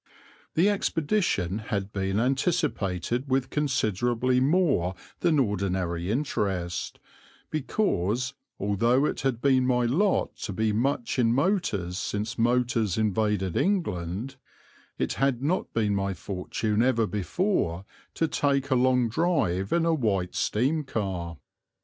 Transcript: The expedition had been anticipated with considerably more than ordinary interest, because, although it had been my lot to be much in motors since motors invaded England, it had not been my fortune ever before to take a long drive in a White steam car.